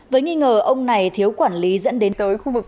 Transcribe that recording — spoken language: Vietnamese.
với nghi ngờ ông này thiếu quản lý dẫn đến tới khu vực